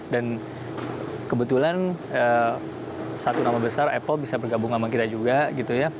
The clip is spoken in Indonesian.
dan kebetulan satu nama besar apple bisa bergabung sama kita juga gitu ya